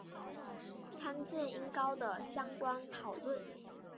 参见音高的相关讨论。